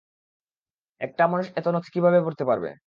একটা মানুষ এতো নথি কীভাবে পড়তে পারবে?